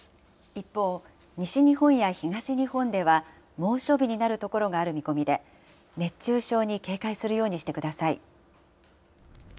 一方、西日本や東日本では、猛暑日になる所がある見込みで、熱中症に警戒するようにしてください。